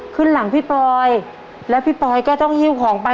ขึ้นหลังพี่ปอยแล้วพี่ปอยก็ต้องหิ้วของไป